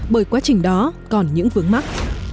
bởi quá trình đó còn những vướng mắt